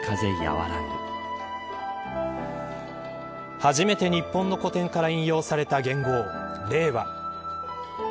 初めて日本の古典から引用された元号、令和。